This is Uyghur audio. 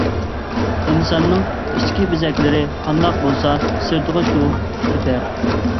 ئىنساننىڭ ئىچكى بېزەكلىرى قانداق بولسا سىرتىغا شۇ تېپەر.